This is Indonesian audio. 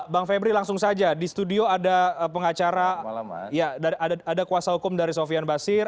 bang febri langsung saja di studio ada pengacara ada kuasa hukum dari sofian basir